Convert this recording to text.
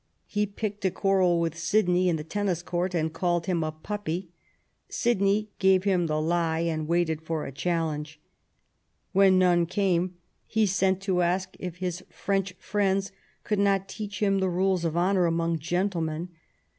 He picked a quarrel with Sidney in the tennis court, and called him a puppy *'. Sidney gave him the lie and waited for a challenge. When none came, he sent to ask if his French friends could not teach him the rules of honour among gentlemen.